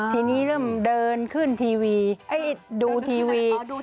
ทีนี้เริ่มเดินขึ้นทีวีดูทีวี